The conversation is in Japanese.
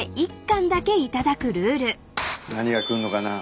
何が来るのかな？